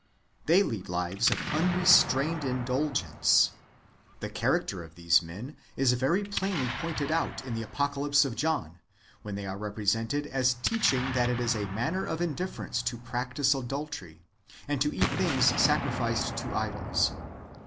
They lead lives of unrestrained indulgence. The character of these men is very plainly pointed out in the Apocalypse of John, [when they are represented] as teaching that it is a matter of indifference to practise adultery, and to eat things sacrificed to idols.